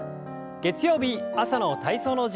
月曜日朝の体操の時間です。